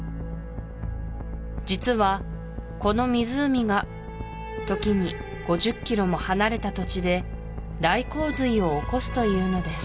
実はこの湖が時に５０キロも離れた土地で大洪水を起こすというのです